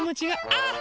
あっ！